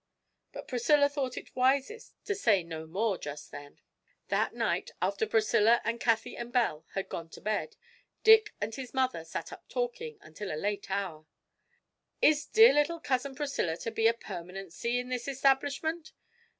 But Priscilla thought it wisest to say no more just then. That night, after Priscilla and Cathie and Belle had gone to bed, Dick and his mother sat up talking until a late hour. 'Is dear little cousin Priscilla to be a permanency in this establishment?'